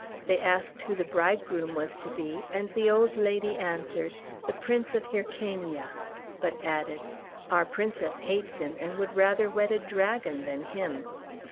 They asked who the bridegroom was to be, and the old lady answered, "The Prince of Hyrcania," but added, "Our princess hates him, and would rather wed a dragon than him."